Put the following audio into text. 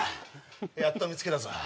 やっと見つけたぞ